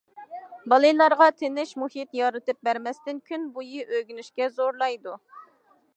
بالىلارغا تىنچ مۇھىت يارىتىپ بەرمەستىن كۈن بويى ئۆگىنىشكە زورلايدۇ.